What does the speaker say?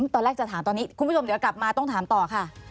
ตอนแรกจะถามตอนนี้คุณผู้ชมเดี๋ยวกลับมาต้องถามต่อค่ะ